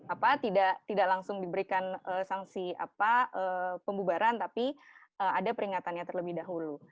apa tidak langsung diberikan sanksi apa pembubaran tapi ada peringatannya terlebih dahulu